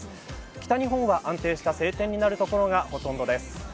北日本は安定した晴天になる所がほとんどです。